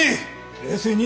冷静に。